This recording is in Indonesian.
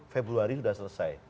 februari sudah selesai